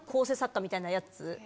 みたいなやつ。